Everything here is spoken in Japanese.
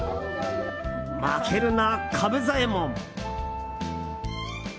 負けるな、カブ左衛門！